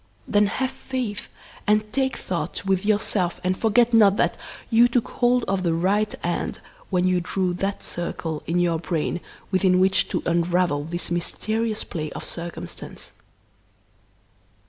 Then have faith and take thought with yourself and forget not that you took hold of the right end when you drew that circle in your brain within which to unravel this mysterious play of circumstance.